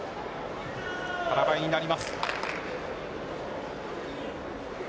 腹ばいになります。